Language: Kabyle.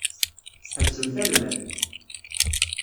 Ḥebsemt almad!